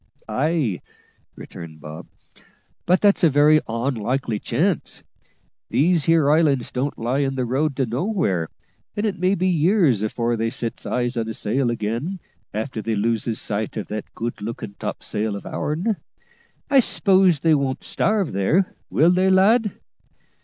"Ay," returned Bob, "but that's a very onlikely chance. These here islands don't lie in the road to nowhere, and it may be years afore they sets eyes on a sail again after they loses sight of that good lookin' topsail of ourn. I s'pose they won't starve there, will they, lad?"